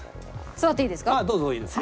座っていいですか？